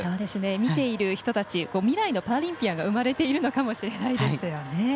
見ている人たち未来のパラリンピアンが生まれているかもしれないですね。